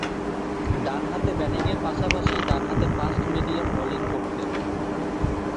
ডানহাতে ব্যাটিংয়ের পাশাপাশি ডানহাতে ফাস্ট মিডিয়াম বোলিং করতেন।